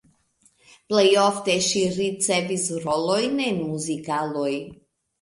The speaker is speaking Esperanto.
Plej ofte ŝi ricevis rolojn en muzikaloj.